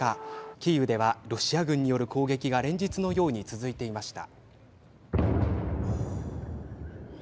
キーウではロシア軍による攻撃が連日のように続いていました。